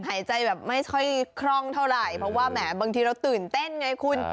หายใจแบบไม่ค่อยคล่องเท่าไหร่เพราะว่าแหมบางทีเราตื่นเต้นไงคุณ